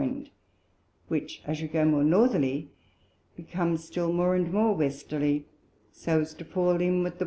Wind, which, as you go more Northerly, becomes still more and more Westerly, so as to fall in with the W.